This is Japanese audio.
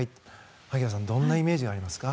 萩谷さんどんなイメージがありますか？